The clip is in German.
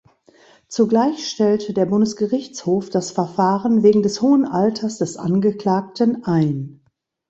Zugleich stellte der Bundesgerichtshof das Verfahren wegen des hohen Alters des Angeklagten ein.